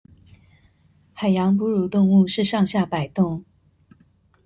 海洋哺乳動物是上下擺動